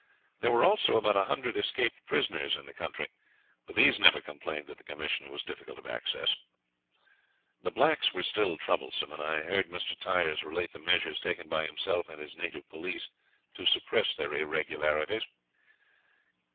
There were also about a hundred escaped prisoners in the country, but these never complained that the commissioner was difficult of access. The blacks were still troublesome, and I heard Mr. Tyers relate the measures taken by himself and his native police to suppress their irregularities.